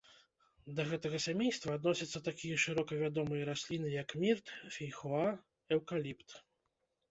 Да гэтага сямейства адносяцца такія шырока вядомыя расліны, як мірт, фейхоа, эўкаліпт.